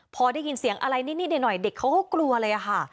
พอได้ยินเสียงอะไรนิดหน่อยเด็กเขาก็กลัวเลยค่ะ